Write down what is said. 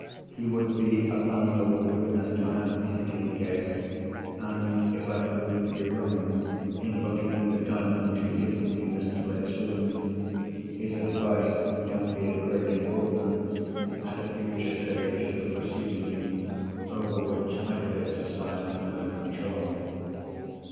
He would be a valuable witness to have, in any case; and, if I proved to be wrong in believing the Diamond to be hidden in Mr. Blake's room, his advice might be of great importance, at a future stage of the proceedings over which I could exercise no control.